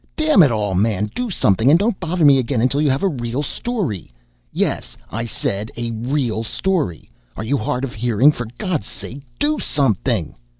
Damn it all, man, do something, and don't bother me again until you have a real story yes, I said a real story are you hard of hearing? For God's sake, do something!"